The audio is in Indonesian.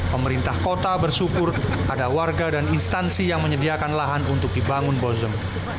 pemerintah kota bersyukur ada warga dan instansi yang menyediakan lahan untuk dibangun bozem